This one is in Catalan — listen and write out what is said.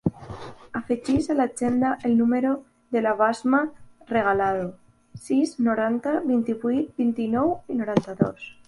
Afegeix a l'agenda el número de la Basma Regalado: sis, noranta, vint-i-vuit, vint-i-nou, noranta-dos.